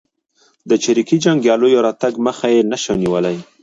د چریکي جنګیالیو راتګ مخه یې نه شوه نیولای.